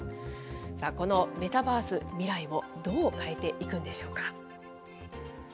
さあ、このメタバース、未来をどう変えていくんでしょうか。